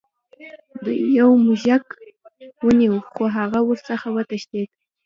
دوی یو موږک ونیو خو هغه ورڅخه وتښتید.